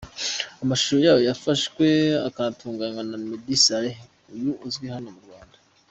amashusho yayo yafashwe akanatunganywa na Meddy Saleh uyu uzwi hano mu Rwanda